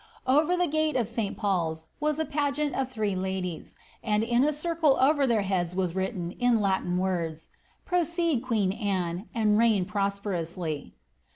Over the gate of Sl PauPs was a pageant of th ladies ; and in a circle over their heads was written, in Latin woi ^ Proceed, queen Anne, and reign prosperously.'